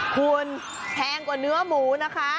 คุณแพงกว่าเนื้อหมูนะคะ